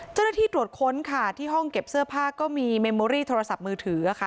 เจ้าหน้าที่ตรวจค้นค่ะที่ห้องเก็บเสื้อผ้าก็มีเมมโมรี่โทรศัพท์มือถือค่ะ